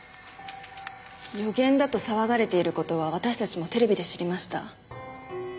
予言だと騒がれている事は私たちもテレビで知りました。